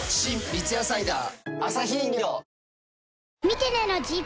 三ツ矢サイダー』